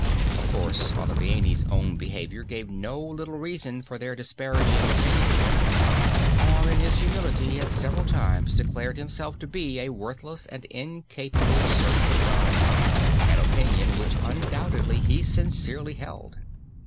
Of course Father Vianney's own behavior gave no little reason for their disparaging opinion of him, for, in his humility, he had several times declared himself to be a worthless and incapable servant of God, an opinion which undoubtedly he sincerely held.